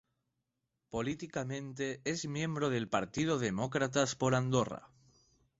Políticamente es miembro del partido Demócratas por Andorra.